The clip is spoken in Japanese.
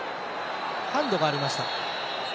ハンドがありました。